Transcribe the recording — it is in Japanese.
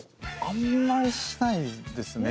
あんまりしないですね。